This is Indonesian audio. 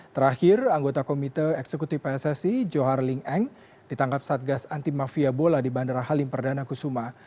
terakhir anggota komite eksekutif pssi johar lin eng ditangkap saat gas antimafia bola di bandara halim perdana kusuma